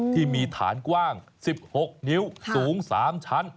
ที่มีฐานกว้าง๑๖นิ้วสูง๓ชั้น